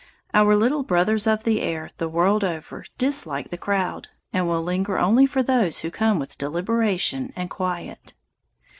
"Our little brothers of the air" the world over dislike the crowd, and will linger only for those who come with deliberation and quiet.